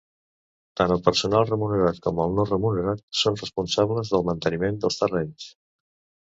Tant el personal remunerat com el no remunerat són responsables del manteniment dels terrenys.